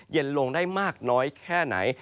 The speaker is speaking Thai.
เย็นลงได้มากน้อยแค่ไหน